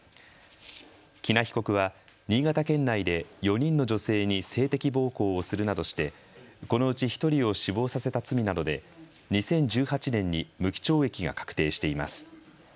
喜納被告は新潟県内で４人の女性に性的暴行をするなどしてこのうち１人を死亡させた罪などで２０１８年に無期懲役が確定しています。